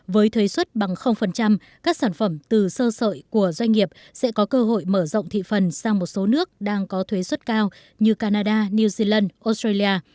với thuế xuất bằng các sản phẩm từ sơ sợi của doanh nghiệp sẽ có cơ hội mở rộng thị phần sang một số nước đang có thuế xuất cao như canada new zealand australia